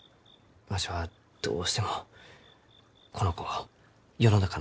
わしはどうしてもこの子を世の中の人々に伝えたい。